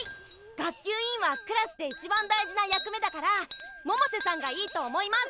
学級委員はクラスでいちばん大事な役目だから百瀬さんがいいと思います！